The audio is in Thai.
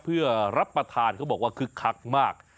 เพื่อรับประทานเขาบอกว่าคึกคักมาก